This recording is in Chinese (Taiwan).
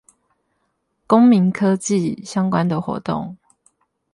公民科技相關的活動